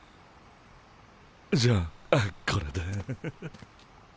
じゃあこれで。